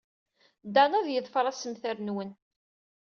Dan ad yeḍfer assemter-nwen.